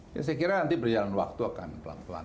ya saya kira nanti berjalan waktu akan pelan pelan